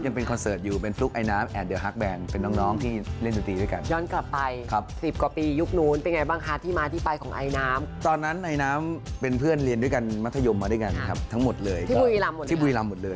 ยังเป็นคอนเสิร์ตอยู่